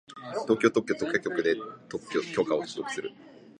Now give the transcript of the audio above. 東京特許許可局で特許許可を取得する